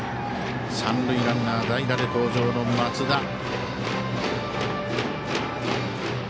三塁ランナー、代打で登場の松田。